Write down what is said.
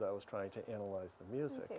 ketika saya mencoba menganalisis musik